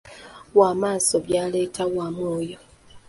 Wamaaso byaleetera Wamwoyo.